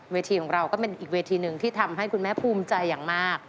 ทีของเราก็เป็นอีกเวทีหนึ่งที่ทำให้คุณแม่ภูมิใจอย่างมาก